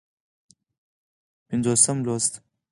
پينځوسم لوست